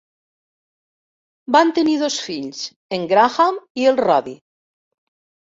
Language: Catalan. Van tenir dos fills, en Graham i el Roddy.